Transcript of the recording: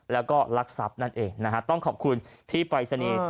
แล้วก็รักทรัพย์นั่นเองนะฮะต้องขอบคุณที่ปรายศนีย์